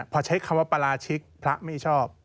พอใช้คำว่าปราชิกพระไม่ชอบ